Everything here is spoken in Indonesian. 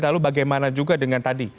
lalu bagaimana juga dengan tadi